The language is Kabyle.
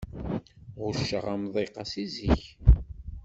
Ɣucceɣ amḍiq-a si zik.